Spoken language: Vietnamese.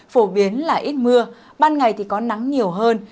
phổ biến là ít mưa ban ngày thì có nắng nhiều hơn